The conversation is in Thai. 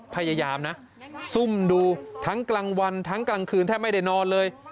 พยายามนะซุ่มดูทั้งกลางวันทั้งกลางคืนแทบไม่ได้นอนเลย